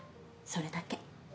それだけ。